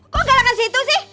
kok galakan si itu sih